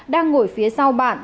đang ngồi phía sau bản